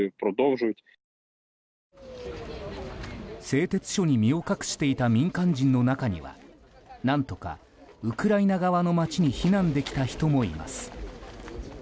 製鉄所に身を隠していた民間人の中には何とかウクライナ側の街に避難できた人もいます。